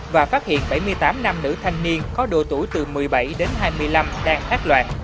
và phát hiện bảy mươi tám nam nữ thanh niên có độ tuổi từ một mươi bảy đến hai mươi năm đang ác đoàn